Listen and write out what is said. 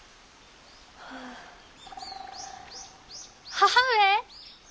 母上！